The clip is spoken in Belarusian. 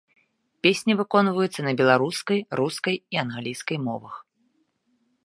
Песні выконваюцца на беларускай, рускай і англійскай мовах.